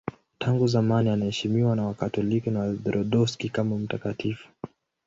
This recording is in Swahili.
Tangu zamani anaheshimiwa na Wakatoliki na Waorthodoksi kama mtakatifu.